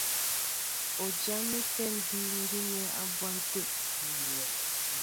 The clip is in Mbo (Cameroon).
U jaŋɛ́kɛ́ mbíí gínɛ́ á bwan tə̂.